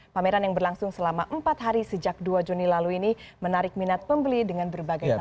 pameran yang berlangsung selama empat hari sejak dua juni lalu ini menarik minat pembeli dengan berbagai macam